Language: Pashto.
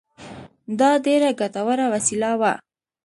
دا ډېره ګټوره وسیله وه.